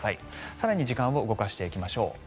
更に時間を動かしていきましょう。